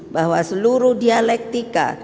bahwa seluruh dialektika